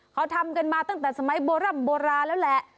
เขาทำกันมาตั้งแต่สมัยโบร่ำโบราณแล้วแหละ